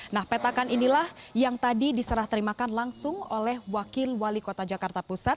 nah petakan inilah yang tadi diserah terimakan langsung oleh wakil wali kota jakarta pusat